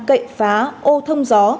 cậy phá ô thông gió